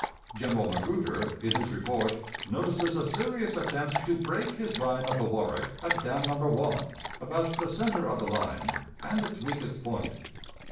General Magruder, in his report, notices a serious attempt to break his line of the Warwick at Dam No. 1, about the center of the line, and its weakest point.